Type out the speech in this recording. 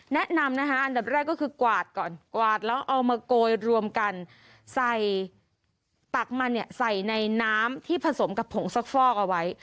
แนะนำนะคะอันดับแรกก็คือกวาดก่อนกวาดแล้วเอามาโกยรวมกันใส่ตักมันเนี่ยใส่ในน้ำที่ผสมกับผงซักฟอกเอาไว้